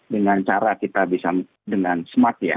dengan cara kita bisa dengan smart ya